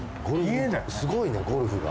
すごいねゴルフが。